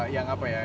yang apa ya